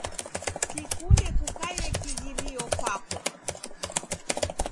Sikunde kukaia kighirio kwako.